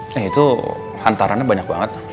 nah itu hantarannya banyak banget